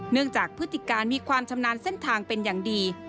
จากพฤติการมีความชำนาญเส้นทางเป็นอย่างดี